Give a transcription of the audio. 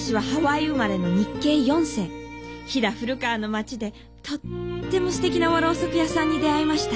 飛騨古川の町でとってもすてきな和ろうそく屋さんに出会いました。